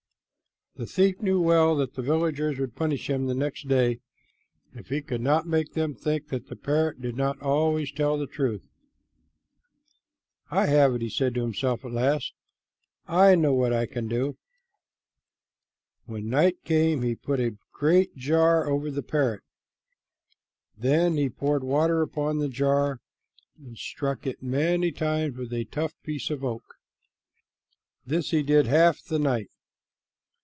The thief knew well that the villagers would punish him the next day, if he could not make them think that the parrot did not always tell the truth. "I have it," he said to himself at last. "I know what I can do." When night came he put a great jar over the parrot. Then he poured water upon the jar and struck it many times with a tough piece of oak. This he did half the night.